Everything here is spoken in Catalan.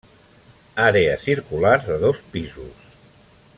Àrea circular de dos pisos.